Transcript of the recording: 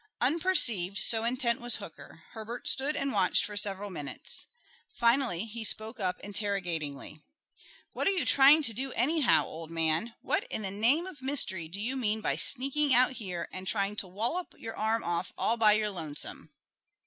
Unperceived, so intent was Hooker, Herbert stood and watched for several minutes. Finally he spoke up interrogatingly: "What are you trying to do, anyhow, old man? What in the name of mystery do you mean by sneaking out here and trying to wallop your arm off all by your lonesome?"